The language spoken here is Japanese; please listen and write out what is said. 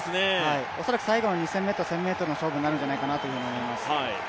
おそらく最後の１０００ｍ、２０００ｍの勝負になるのではないかと思います。